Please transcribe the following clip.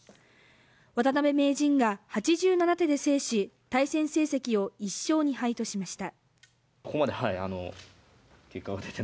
渡辺名人が８７手で制し対戦成績を１勝２敗としました。